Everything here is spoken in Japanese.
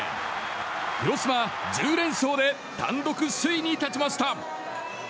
広島、１０連勝で単独首位に立ちました。